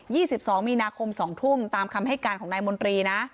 ี่สิบสองมีนาคมสองทุ่มตามคำให้การของนายมนตรีนะ